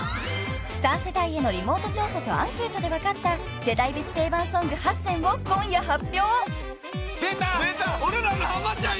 ［３世代へのリモート調査とアンケートで分かった世代別定番ソング８選を今夜発表］